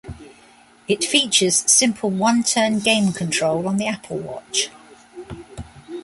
It features simple one-turn game control on the Apple Watch.